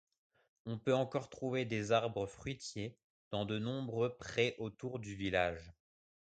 On peut encore trouver des arbres fruitiers dans de nombreux prés autour du village.